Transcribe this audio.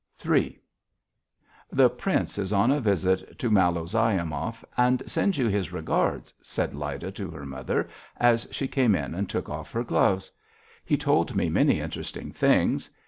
III "The Prince is on a visit to Malozyomov and sends you his regards," said Lyda to her mother, as she came in and took off her gloves. "He told me many interesting things.